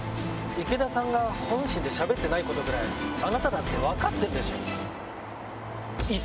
池田さんが本心でしゃべってないことぐらいあなただって分かってるでしょ！